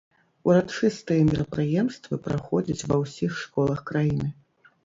Урачыстыя мерапрыемствы праходзяць ва ўсіх школах краіны.